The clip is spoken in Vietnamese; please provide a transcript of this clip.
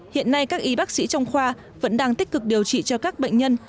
hiện nay các y bác sĩ trong khoa vẫn đang tích cực điều trị cho các bệnh nhân